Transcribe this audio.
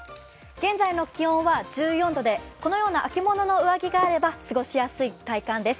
現在の気温は１４度で、このような秋物の上着があれば過ごしやすい体感です。